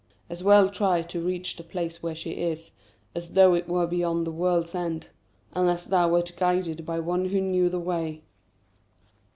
"As well try to reach the place where she is, as though it were beyond where the world ends, unless thou wert guided by one who knew the way."